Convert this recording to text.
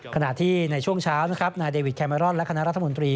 ขณะที่ในช่วงเช้านะครับนายเดวิดแคเมรอนและคณะรัฐมนตรี